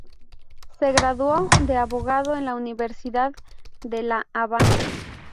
Se graduó de abogado en la Universidad de La Habana.